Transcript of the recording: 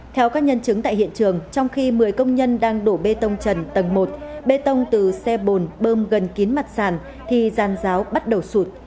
theo các nhân chứng tại hiện trường trong khi một mươi công nhân đang đổ bê tông trần tầng một bê tông từ xe bồn bơm gần kín mặt sàn thì giàn giáo bắt đầu sụt